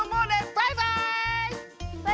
バイバイ！